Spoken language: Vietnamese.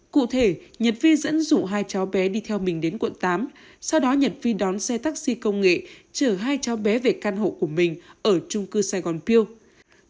cụ thể nhật vi dẫn dụ hai cháu bé đi theo mình đến quận tám sau đó nhật vi đón xe taxi công nghệ chở hai cháu bé về căn hộ của mình ở trung cư sài gòn pew